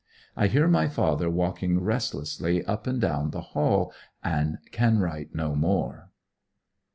I hear my father walking restlessly up and down the hall, and can write no more.